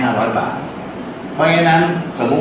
เป็นการรับสนุนที่สูง